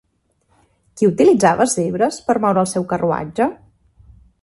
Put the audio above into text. Qui utilitzava zebres per moure el seu carruatge?